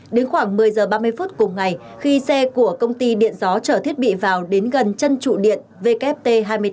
đến khoảng một mươi h ba mươi phút cùng ngày khi xe của công ty điện gió trở thiết bị vào đến gần chân trụ điện wt hai mươi tám